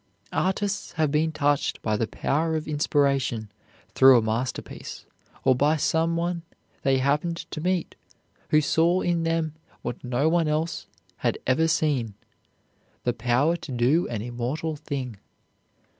Artists have been touched by the power of inspiration through a masterpiece, or by some one they happened to meet who saw in them what no one else had ever seen, the power to do an immortal thing.